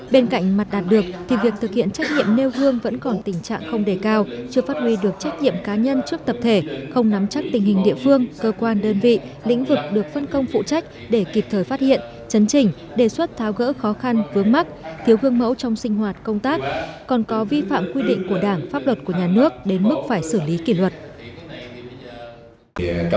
bên cạnh mặt đạt được thì việc thực hiện trách nhiệm nêu gương vẫn còn tình trạng không đề cao chưa phát huy được trách nhiệm cá nhân trước tập thể không nắm chắc tình hình địa phương cơ quan đơn vị lĩnh vực được phân công phụ trách để kịp thời phát hiện chấn trình đề xuất tháo gỡ khó khăn vướng mắt thiếu gương mẫu trong sinh hoạt công tác còn có vi phạm quy định của đảng pháp luật của nhà nước đến mức phải xử lý kỷ luật